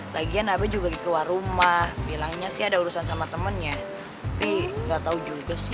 lagian abe juga gitu warung mah bilangnya sih ada urusan sama temennya tapi enggak tahu juga sih